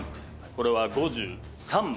これは５３枚。